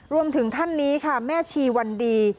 รวมถึงท่านนี้ค่ะแม่ชีวันดี